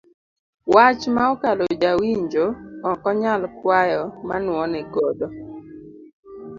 Wach ma okalo ja winjo ok onyal kwayo ma nuone godo.